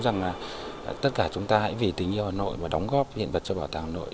rằng là tất cả chúng ta hãy vì tình yêu hà nội và đóng góp hiện vật cho bảo tàng hà nội